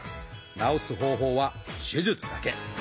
治す方法は手術だけ。